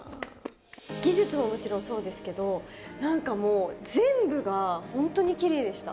技術ももちろんそうですけど何かもう全部が本当にきれいでした。